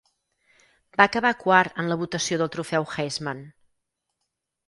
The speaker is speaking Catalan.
Va acabar quart en la votació del trofeu Heisman.